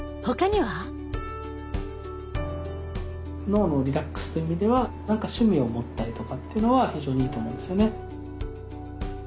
脳のリラックスという意味では何か趣味を持ったりとかっていうのは非常にいいと思うんですよね。